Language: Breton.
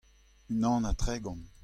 unan ha tregont.